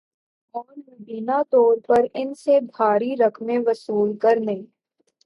اور مبینہ طور پر ان سے بھاری رقمیں وصول کرنے